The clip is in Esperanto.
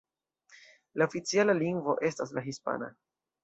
La oficiala lingvo estas la hispana.